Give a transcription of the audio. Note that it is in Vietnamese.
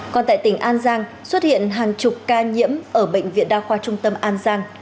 còn tại tỉnh an giang xuất hiện hàng chục ca nhiễm ở bệnh viện đa khoa trung tâm an giang